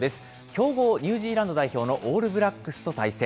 強豪、ニュージーランド代表のオールブラックスと対戦。